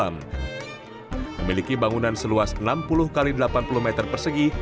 memiliki bangunan seluas enam puluh x delapan puluh meter persegi